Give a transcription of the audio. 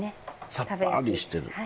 さっぱりしてる。